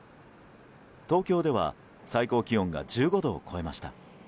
東京では最高気温が１５度を超えました。